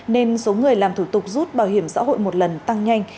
nên số người làm thủ tục rút bảo hiểm xã hội một lần tăng nhanh